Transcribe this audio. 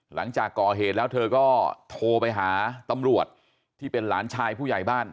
หลังจากก่อเหตุแล้วเธอก็โทรไปหาตำรวจที่เป็นหลานชายผู้ใหญ่บ้าน